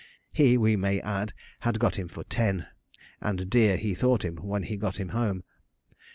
He, we may add, had got him for ten, and dear he thought him when he got him home.